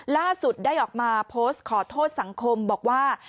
ล่าสุดได้ออกมาโพสต์ขอโทษสังคมบอกว่า